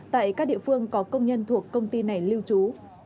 tại các địa phương có công nhân thuộc công ty này lưu trú